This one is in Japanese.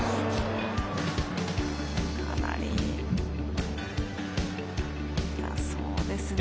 かなり痛そうですね。